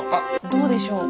どうでしょう？